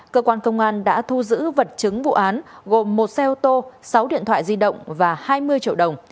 cơ quan công an đã thu giữ vật chứng vụ án gồm một xe ô tô sáu điện thoại di động và hai mươi triệu đồng